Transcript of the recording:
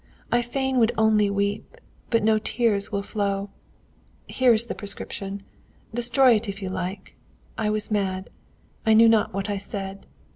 I fain would only weep, but no tears will flow. Here is the prescription. Destroy it if you like. I was mad. I knew not what I said.